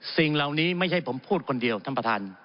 สิ่งเหล่านี้ไม่ใช่ผมพูดคนเดียวท่านประธาน